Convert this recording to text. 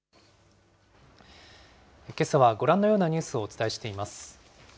けさはご覧のようなニュースをお伝えしています。